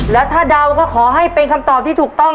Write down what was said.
แล้วถ้าเดาก็ขอให้เป็นคำตอบที่ถูกต้อง